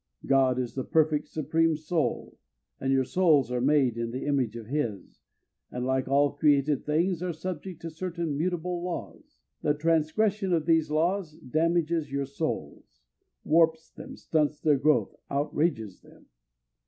God is the perfect supreme soul, and your souls are made in the image of his, and, like all created things, are subject to certain mutable laws. The transgression of these laws damages your souls—warps them, stunts their growth, outrages them.